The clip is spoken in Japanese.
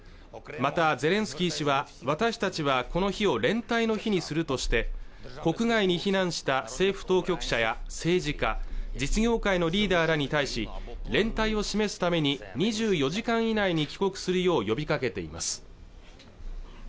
またゼレンスキー氏は私たちはこの日を連帯の日にするとして国外に避難した政府当局者や政治家実業界のリーダーらに対し連帯を示すために２４時間以内に帰国するよう呼びかけています